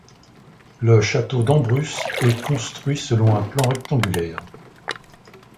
Le château d’Ambrus est construit selon un plan rectangulaire.